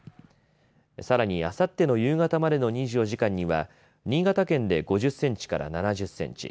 さらに、あさっての夕方までの２４時間には新潟県で５０センチから７０センチ